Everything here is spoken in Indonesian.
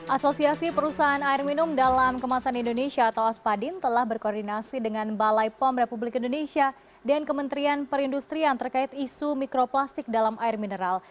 asosiasi perusahaan air minum dalam kemasan indonesia atau aspadin telah berkoordinasi dengan balai pom republik indonesia dan kementerian perindustrian terkait isu mikroplastik dalam air mineral